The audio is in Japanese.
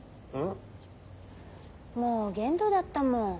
もう限度だったもん。